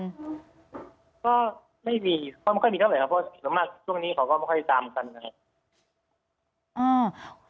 ก็ไม่มีก็ไม่ค่อยมีเท่าไหร่ครับเพราะส่วนมากช่วงนี้เขาก็ไม่ค่อยตามกันนะครับ